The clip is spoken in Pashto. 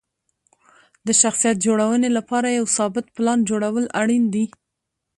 د شخصیت جوړونې لپاره یو ثابت پلان جوړول اړین دي.